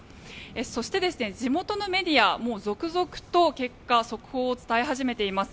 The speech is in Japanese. そして、地元のメディアもう続々と結果、速報を伝え始めています。